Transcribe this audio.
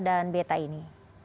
dan beta ini